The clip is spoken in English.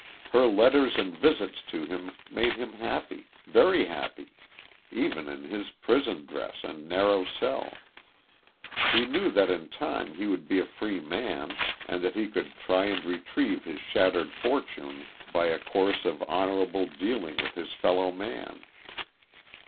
Her letters and visits to him made him happy, very happy, even in his prison dress and narrow cell. lie knew that in time he would be a free man and that he could try and retrieve his shattered fortune by a course of honorable dealing with his fellow man.